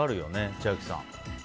千秋さん。